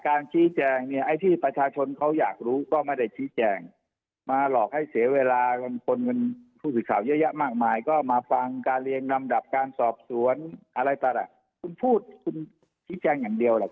การชี้แจงเนี่ยไอ้ที่ประชาชนเขาอยากรู้ก็ไม่ได้ชี้แจงมาหลอกให้เสียเวลามันคนหนึ่ง